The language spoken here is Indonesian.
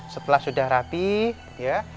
setelah sudah rapi ya